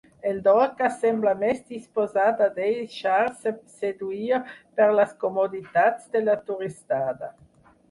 El Dorca sembla més disposat a deixar-se seduir per les comoditats de la turistada.